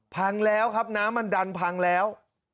พังแล้วครับน้ำมันดันพังแล้ว